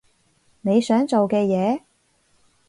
你想做嘅嘢？